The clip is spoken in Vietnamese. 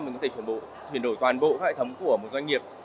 mình có thể chuyển đổi toàn bộ các hệ thống của một doanh nghiệp